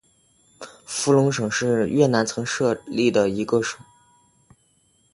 福隆省是越南曾经设立的一个省。